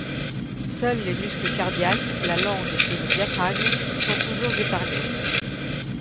Seuls les muscles cardiaques, la langue et le diaphragme sont toujours épargnés.